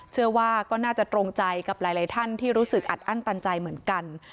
เชื่อว่าก็น่าจะตรงใจกับหลายท่านที่รู้สึกอัดอั้นตันใจเหมือนกัน